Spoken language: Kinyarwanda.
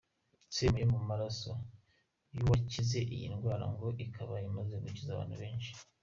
Serum yo mu maraso y’uwakize iyi ndwara ngo ikaba imaze gukiza abantu benshi.